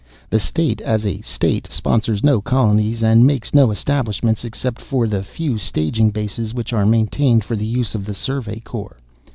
The state, as a state, sponsors no colonies and makes no establishments except for the few staging bases which are maintained for the use of the Survey Corps.